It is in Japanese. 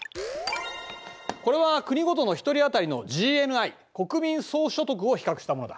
これは国ごとの１人あたりのＧＮＩ国民総所得を比較したものだ。